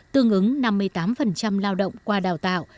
tương ứng năm mươi tám lao động qua đào tạo